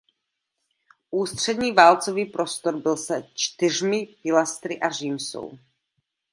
Ústřední válcový prostor byl se čtyřmi pilastry a římsou.